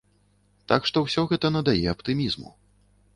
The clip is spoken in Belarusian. Так што ўсё гэта надае аптымізму.